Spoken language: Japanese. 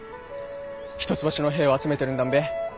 一橋の兵を集めてるんだんべ？